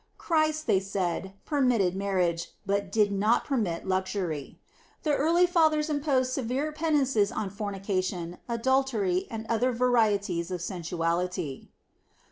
Christ, they said, permitted marriage, but did not permit luxury. The early fathers imposed severe penitences on fornication, adultery, and other varieties of sensuality.